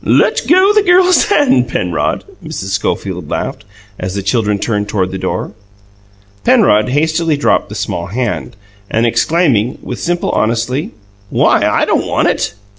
"Let go the little girl's hand, Penrod," Mrs. Schofield laughed, as the children turned toward the door. Penrod hastily dropped the small hand, and exclaiming, with simple honesty, "Why, I don't want it!"